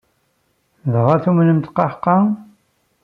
Dɣa tumenem-t? Qaḥqa!